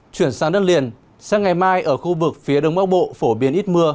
chuyển sang đất liền sang ngày mai ở khu vực phía đông bắc bộ phổ biến ít mưa